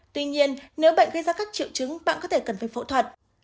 tuy nhiên nếu bệnh gây ra các triệu chứng bạn có thể cần phải phẫu thuật